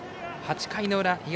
８回の裏東